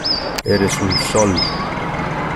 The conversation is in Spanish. eres un sol.